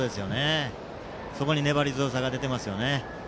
そこに粘り強さが出ていますね。